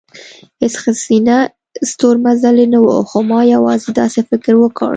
هېڅ ښځینه ستورمزلې نه وه، خو ما یوازې داسې فکر وکړ،